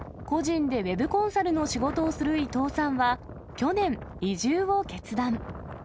個人でウェブコンサルの仕事をする伊藤さんは、去年、移住を決断。